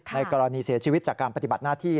ในกรณีเสียชีวิตจากการปฏิบัติหน้าที่